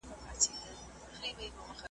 هر منزل ته ژړومه خپل پردېس خوږمن کلونه .